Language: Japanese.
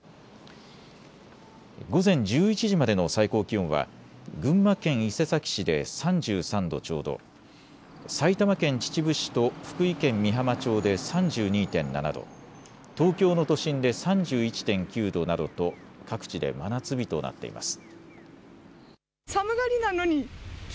午前１１時までの最高気温は群馬県伊勢崎市で３３度ちょうど、埼玉県秩父市と福井県美浜町で３２．７度、東京の都心で３１．９度などと各地で真夏日となっています。